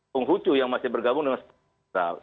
penghucu yang masih bergabung dengan setengah setengah